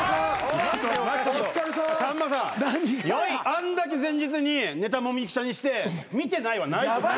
あんだけ前日にネタもみくちゃにして「見てない」はないです。